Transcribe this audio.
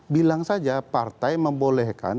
bilang saja partai membolehkan